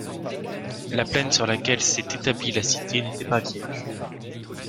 La plaine sur laquelle s'est établie la cité n'était pas vierge.